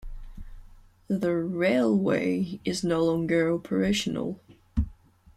The railway is no longer operational.